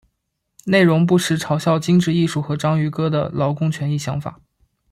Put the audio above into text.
内容不时嘲笑精致艺术和章鱼哥的劳工权益想法。